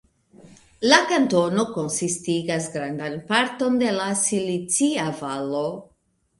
La kantono konsistigas grandan parton de la Silicia Valo.